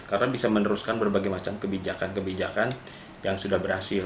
karena bisa meneruskan berbagai macam kebijakan kebijakan yang sudah berhasil